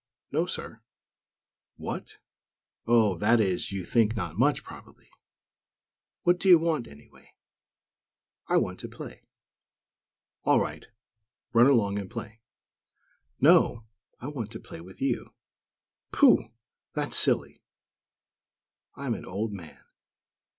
"No, sir." "What!! Oh, that is, you think 'not much,' probably. What do you want, anyway?" "I want to play." "All right; run along and play." "No; I want to play with you." "Pooh!! That's silly. I'm an old man.